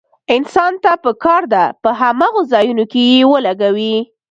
انسان ته پکار ده په هماغو ځايونو کې يې ولګوي.